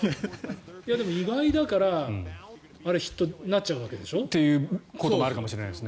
でも、意外だからあれがヒットになっちゃうわけでしょ。ということもあるかもしれないですね。